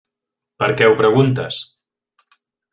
Per què ho preguntes?